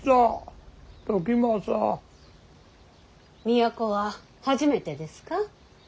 都は初めてですか。